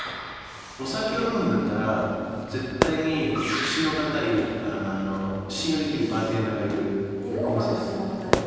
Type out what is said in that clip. お酒を飲むんだったら絶対に口の堅い信用できるバーテンダーがいるお店ですね。